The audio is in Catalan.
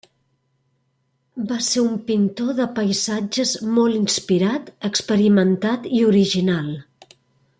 Va ser un pintor de paisatges molt inspirat, experimentat i original.